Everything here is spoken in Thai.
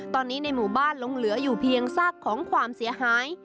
ตอนนี้ในหมู่บ้านลงเหลืออยู่เพียงซากของความเสียหาย